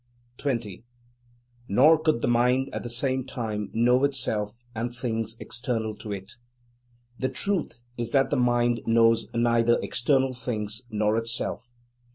20. Nor could the Mind at the same time know itself and things external to it. The truth is that the "mind" knows neither external things nor itself.